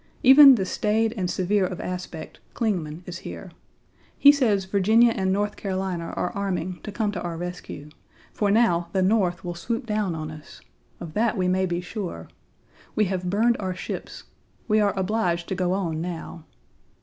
Even the staid and severe of aspect, Clingman, is here. He says Virginia and North Carolina are arming to come to our rescue, for now the North will swoop down on us. Of that we may be sure. We have burned our ships. We are obliged to go on now.